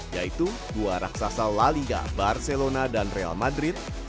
yaitu dua raksasa la liga barcelona dan real madrid